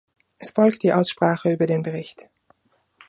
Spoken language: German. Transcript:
Es folgt die Aussprache über den Bericht.